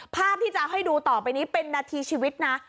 ภาพที่จะให้ดูต่อไปนี้เป็นนาทีชีวิตนะ